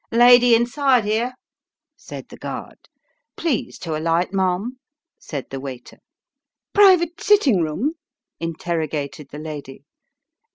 " Lady inside, hero !" said the guard. " Please to alight, ma'am," said the waiter. " Private sitting room ?" interrogated the lady.